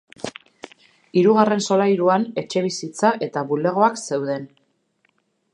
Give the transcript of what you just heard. Hirugarren solairuan etxebizitza eta bulegoak zeuden.